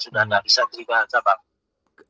sudah nggak bisa terima sabang